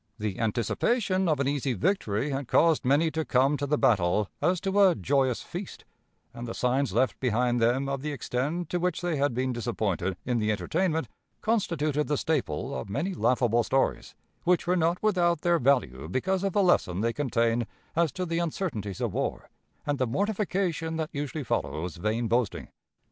The anticipation of an easy victory had caused many to come to the battle as to a joyous feast, and the signs left behind them of the extent to which they had been disappointed in the entertainment, constituted the staple of many laughable stories, which were not without their value because of the lesson they contained as to the uncertainties of war, and the mortification that usually follows vain boasting.